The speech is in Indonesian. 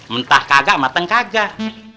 mentah kagak mateng kagak